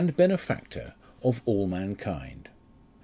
benefactor of all mankind.